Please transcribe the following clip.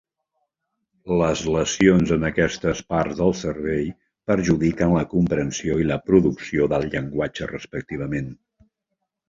Les lesions en aquestes parts del cervell perjudiquen la comprensió i la producció del llenguatge, respectivament.